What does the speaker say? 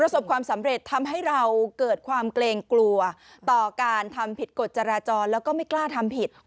ความสำเร็จทำให้เราเกิดความเกรงกลัวต่อการทำผิดกฎจราจรแล้วก็ไม่กล้าทำผิด